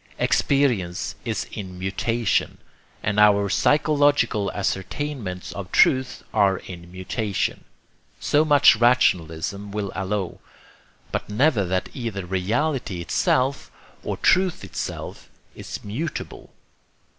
Experience is in mutation, and our psychological ascertainments of truth are in mutation so much rationalism will allow; but never that either reality itself or truth itself is mutable.